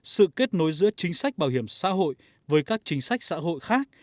sự kết nối giữa chính sách bảo hiểm xã hội với các chính sách xã hội khác